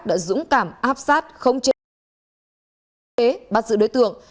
đã dũng cảm áp sát không chế bắt giữ đối tượng